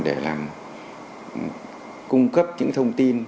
để làm cung cấp những thông tin